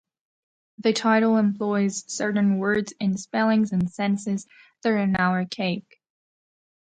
The title employs certain words in spellings and senses that are now archaic.